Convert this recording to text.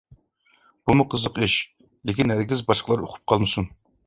بۇمۇ قىزىق ئىش، لېكىن ھەرگىز باشقىلار ئۇقۇپ قالمىسۇن!